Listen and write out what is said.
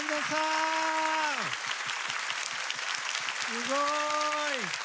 すごい！